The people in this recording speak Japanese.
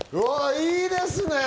いいですね。